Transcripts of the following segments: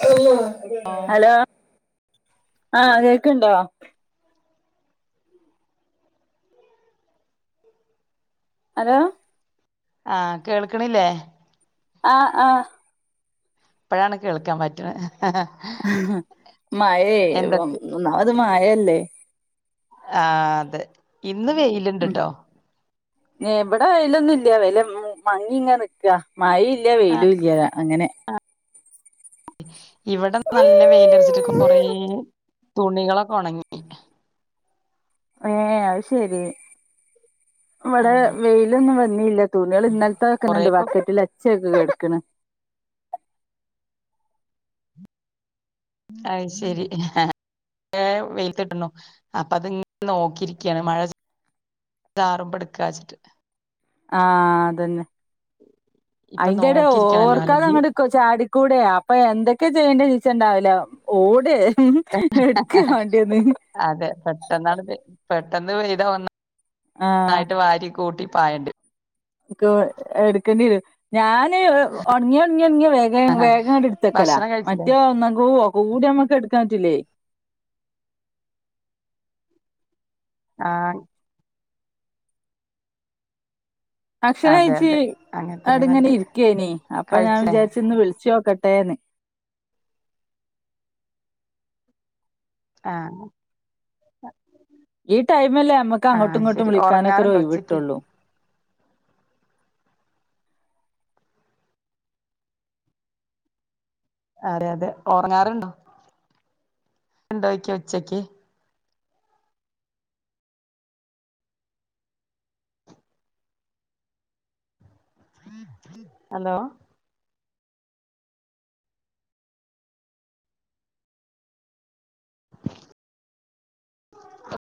hello ഓ hello ആഹ് കേൾക്കണ്ടോ ഹലോ ആഹ കേൾക്ക്ണില്ലേ ആഹ് ആഹ് പ്പഴാണ് കേൾക്കാൻ പറ്റ്ണെ ഹ്ഹ്ഹ ആഹ് മഴേ എന്തൊക്കെ ഒന്നാമത് മഴ അല്ലേ ആഹ് അതെ ഇന്ന് വെയില് ഉമ് ഏഹ് ഇവടെ വെലൊന്നും ഇല്ല വെയില് മങ്ങി ഇങ്ങെ നിക്കാ മഴീം ഇല്ല ആഹ് വെയിലും ഇല്ല അങ്ങനെ ഇവിടെ നല്ല വെയിലറച്ചിട്ട് കൊറേ തുണികളൊക്കെ ഉണങ്ങി ഏഹ് അതയ് ശെരി ഉം ഇവിടെ വെയിലൊന്നും വന്നില്ല തുണേള് ഇന്നലത്തൊക്കെന്നെണ്ട് കൊറേപ്പൊ ബക്കറ്റിൽ അച്ചേക്ക് കെടക്ക്ണ് അയ് ശെരി കൊറേ വെയിലത്തിട്ട്ണൂ അപ്പ അത് ഇങ്ങനെ നോക്കിരികാണ് മഴ ആറുമ്പം ഇട്ക്കാച്ചിട്ട് ആഹ് അതെന്നെ ഇപ്പൊ അയിന്റെ ടെ നോക്കിയിരിക്കണല്ലോ അല്ലെങ്കി ഓർക്കാതങ്ങട്ട് ചാടിക്കൂടെ അപ്പൊ എന്തൊക്കെ ചെയ്യണ്ടെ നിച്ചണ്ടാവൂല ഓടെ ഉമ് എടുക്കാ വാണ്ടീന്ന് അതെ പെട്ടെന്നാണ്ട് പെട്ടെന്ന് പെയ്താ ഒന്ന ആഹ് ഒന്നായിട്ട് വാരി കൂട്ടി പായണ്ടെരും ക് എടുക്കെണ്ടിരും ഞാന് ഒണങ്ങിയ ഒണങ്ങിയ ഒണങ്ങിയ വേഗ വേഗങ്ങട്ട് ഇട്ത്തക്കലാ ഭക്ഷണം കഴിച്ചില്ലേ മറ്റേ ഒന്നുങ്കൂ കൂടി നമ്മക്ക് എടുക്കാ പറ്റൂല്ലേ ആഹ് ഭക്ഷണം അതെ കഴിച്ച് അതെ അങ്ങനെ തന്നെ ആട്ടിങ്ങനെ നല്ലത് ഇരിക്കേനി അപ്പൊ ഞാൻ കഴിച്ചില്ലേ വിചാരിച്ച് ഇന്ന് വിളിച്ചോക്കട്ടെന്ന് ആഹ് ഈ ടൈമല്ലേ നമ്മക്ക് അങ്ങട്ടും ആഹ് ഇങ്ങട്ടും ശരി വിളിക്കാനൊക്കെ ഒര് ഉറങ്ങാറുണ്ടോ ഒയിവ് ഉച്ചക്ക് കിട്ടൊള്ളു അതെ അതെ ഓറങ്ങാറുണ്ടോ ഉണ്ടോയിക്ക ഉച്ചക്ക് ഹലോ [inaudible]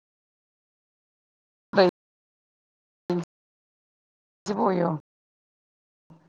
[unintelligible] ഇജ്ജ് പോയോ